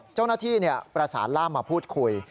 เจ้าหน้าที่ประสานล่ามมาพูดคุย